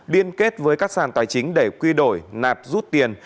liên kết với các sàn tài chính để quy đổi nạp rút tiền